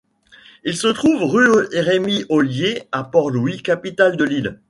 Il se trouve rue Rémy Ollier à Port-Louis, capitale de l'île.